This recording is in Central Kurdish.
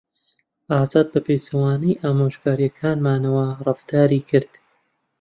ئازاد بەپێچەوانەی ئامۆژگارییەکانمانەوە ڕەفتاری کرد.